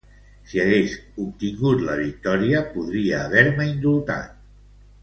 Si hagués obtingut la victòria, podria haver-me indultat.